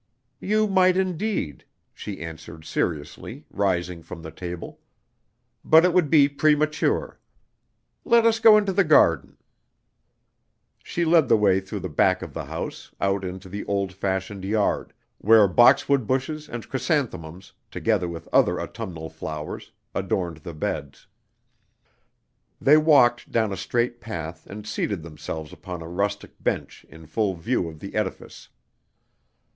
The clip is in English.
"You might indeed," she answered seriously, rising from the table; "but it would be premature. Let us go into the garden." She led the way through the back of the house out into the old fashioned yard, where boxwood bushes and chrysanthemums, together with other autumnal flowers, adorned the beds. They walked down a straight path and seated themselves upon a rustic bench in full view of the edifice.